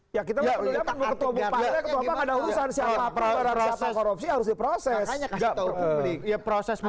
siapa korupsi harus diproses